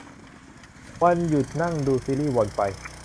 วันหยุดนั่งดูซีรีย์วนไป